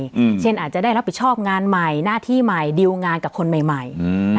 อืมเช่นอาจจะได้รับผิดชอบงานใหม่หน้าที่ใหม่ดิวงานกับคนใหม่ใหม่อืม